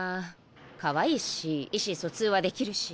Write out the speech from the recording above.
かわいいし意思疎通はできるし。